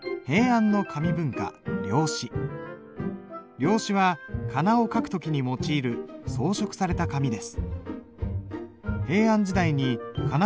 料紙は仮名を書く時に用いる装飾された紙です。